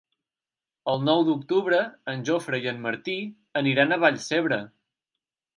El nou d'octubre en Jofre i en Martí aniran a Vallcebre.